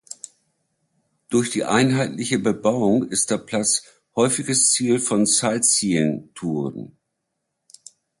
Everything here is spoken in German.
Durch die einheitliche Bebauung ist der Platz häufiges Ziel von Sightseeing-Touren.